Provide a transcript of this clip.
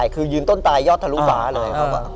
คือยืนต้นตายยอดทะลุฟ้าเลย